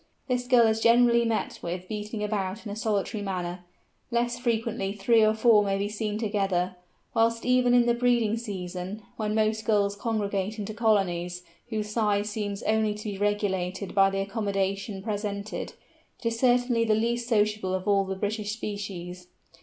This Gull is generally met with beating about in a solitary manner; less frequently three or four may be seen together; whilst even in the breeding season, when most Gulls congregate into colonies whose size seems only to be regulated by the accommodation presented, it is certainly the least sociable of all the British species.